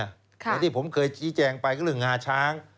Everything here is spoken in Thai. อย่างที่ผมเคยแจ้งไปก็คืองาช้าง